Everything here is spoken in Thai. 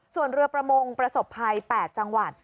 ส่วนเรือประมงประสบภัย๘จังหวัด